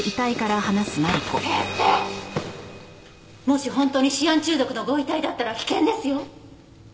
もし本当にシアン中毒のご遺体だったら危険ですよ！